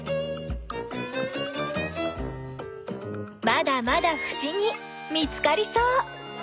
まだまだふしぎ見つかりそう。